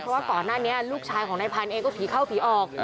เพราะว่าก่อนหน้านี้ลูกชายของนายพันธุ์เองก็ผีเข้าผีออก